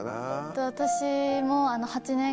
私も。